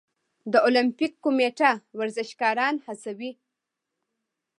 د المپیک کمیټه ورزشکاران هڅوي؟